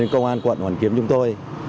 công an quận hoàn kiếm chúng tôi